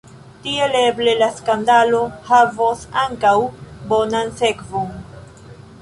Tiel eble la skandalo havos ankaŭ bonan sekvon.